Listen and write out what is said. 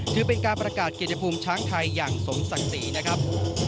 ถือเป็นการประกาศเกียรติภูมิช้างไทยอย่างสมศักดิ์ศรีนะครับ